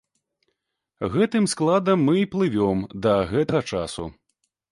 Гэтым складам мы і плывём да гэтага часу.